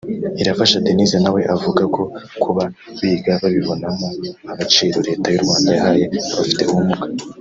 Irafasha Denyse nawe avuga ko kuba biga babibonamo agaciro Leta y’u Rwanda yahaye abafite ubumuga